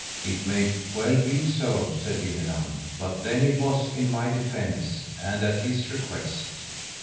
It may well be so, said Dinadan, but then it was in my defence and at his request.